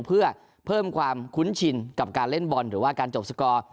เพื่อเพิ่มความคุ้นชินกับการเล่นบอลหรือว่าการจบสกอร์